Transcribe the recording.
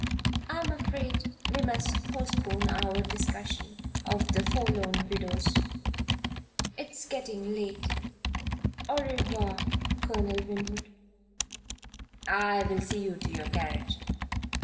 "I am afraid we must postpone our discussion of the Forlorn Widows. It is getting late. Au revoir, Colonel Winwood " "I will see you to your carriage."